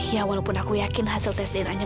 ya walaupun aku yakin hasil tes dna nya